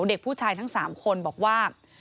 เด็กผู้ชายทั้ง๓คนบอกว่า